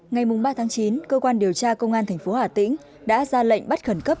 ngày ba chín cơ quan điều tra công an thành phố hà tĩnh đã ra lệnh bắt khẩn cấp